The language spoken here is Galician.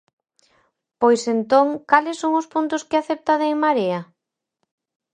Pois entón, ¿cales son os puntos que acepta de En Marea?